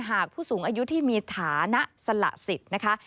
ผู้สูงอายุที่มีฐานะสละสิทธิ์นะคะ